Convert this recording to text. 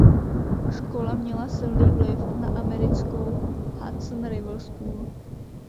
Škola měla silný vliv na americkou Hudson River School.